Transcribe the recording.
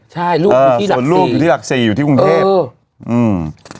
ส่วนลูกอยู่ที่หลักศรีอยู่ที่กรุงเทพอืม